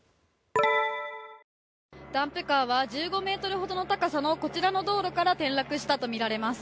ダンプカーは１５ｍほどの高さのこちらの道路から転落したとみられます。